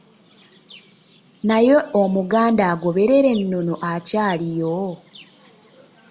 Naye Omuganda agaoberera ennono akyaliyo?